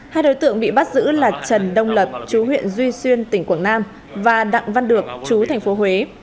hai đối tượng bị bắt giữ là trần đông lập chú huyện duy xuyên tỉnh quảng nam và đặng văn được chú thành phố huế